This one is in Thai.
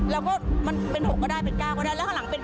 แล้วก็เป็น๖ก็ได้เป็น๙ก็ได้แล้วหลังเป็น๘